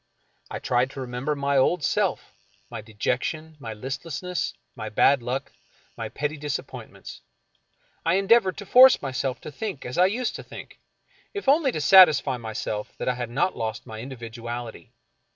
I tried to remember my old self, 40 F. Marion Crawford my dejection, my Hstlessness, my bad luck, my petty disap pointments. I endeavored to force myself to think as I used to think, if only to satisfy myself that I had not lost my individuality.